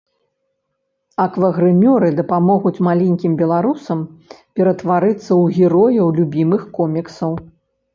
Аквагрымёры дапамогуць маленькім беларусам ператварыцца ў герояў любімых коміксаў.